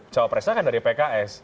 cawapresa kan dari pks